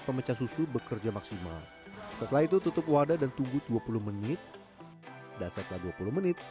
pemecah susu bekerja maksimal setelah itu tutup wadah dan tunggu dua puluh menit dan setelah dua puluh menit